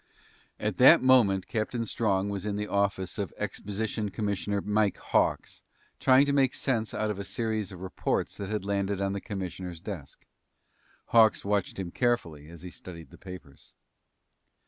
At that moment Captain Strong was in the office of Exposition Commissioner Mike Hawks trying to make sense out of a series of reports that had landed on the commissioner's desk. Hawks watched him carefully as he studied the papers.